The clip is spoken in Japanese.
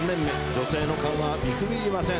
女性の勘は見くびりません。